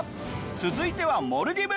続いてはモルディブ。